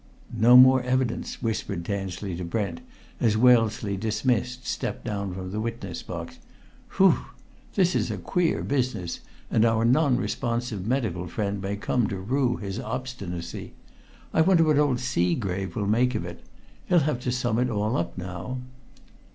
"No more evidence," whispered Tansley to Brent, as Wellesley, dismissed, stepped down from the witness box. "Whew! this is a queer business, and our non responsive medical friend may come to rue his obstinacy. I wonder what old Seagrave will make of it? He'll have to sum it all up now."